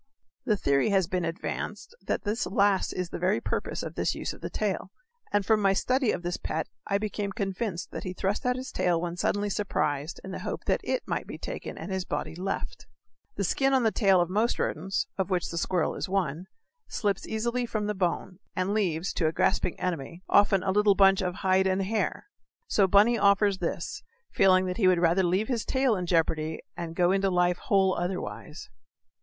The theory has been advanced that this last is the very purpose of this use of the tail; and from my study of this pet I became convinced that he thrust out his tail when suddenly surprised in the hope that it might be taken and his body left. The skin on the tail of most rodents (of which the squirrel is one) slips easily from the bone, and leaves, to a grasping enemy, often a little bunch of "hide and hair." So Bunny offers this feeling that he would rather leave his tail in jeopardy and go into life whole otherwise.